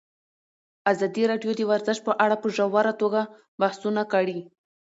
ازادي راډیو د ورزش په اړه په ژوره توګه بحثونه کړي.